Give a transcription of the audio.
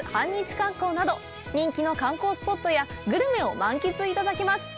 観光など人気の観光スポットやグルメを満喫いただけます。